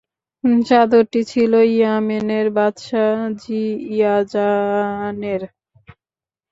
চাদরটি ছিল ইয়ামেনের বাদশাহ যি-ইয়াযানের।